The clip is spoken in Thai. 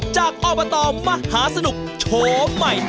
อบตมหาสนุกโชว์ใหม่